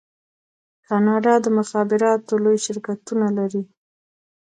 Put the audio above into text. کاناډا د مخابراتو لوی شرکتونه لري.